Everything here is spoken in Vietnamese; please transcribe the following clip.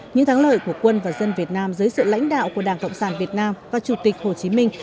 những thắng lợi của quân và dân việt nam dưới sự lãnh đạo của đảng cộng sản việt nam và chủ tịch hồ chí minh